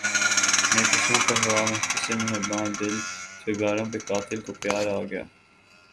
مے کشوں پر ہوا محتسب مہرباں دل فگاروں پہ قاتل کو پیار آ گیا